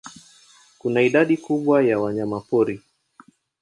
Kuna idadi kubwa ya wanyamapori.